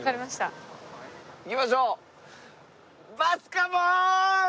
いきましょう。